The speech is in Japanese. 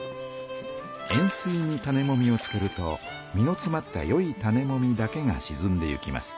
塩水に種もみをつけると実のつまった良い種もみだけがしずんでいきます。